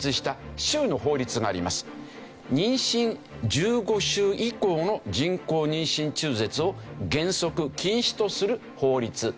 妊娠１５週以降の人工妊娠中絶を原則禁止とする法律。